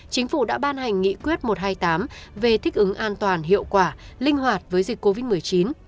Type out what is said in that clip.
chính phủ đã ban hành nghị quyết một trăm hai mươi tám về thích ứng an toàn hiệu quả linh hoạt với dịch covid một mươi chín